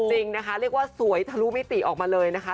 จริงนะคะเรียกว่าสวยทะลุมิติออกมาเลยนะคะ